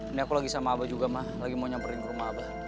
ini aku lagi sama abah juga mah lagi mau nyamperin ke rumah abah